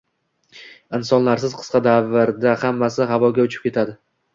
insonlarsiz qisqa davrda hammasi havoga uchib ketadi.